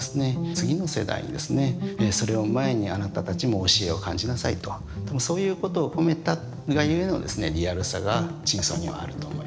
次の世代にですねそれを前にあなたたちも教えを感じなさいとそういうことを込めたがゆえのリアルさが頂相にはあると思います。